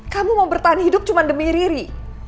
kamu mau bertahan hidup cuma demi riri